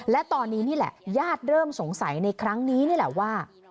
และตอนนี้นี่แหละญาติเริ่มสงสัยในครั้งนี้นี่แหละว่า